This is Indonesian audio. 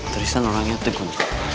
tristan orangnya tegun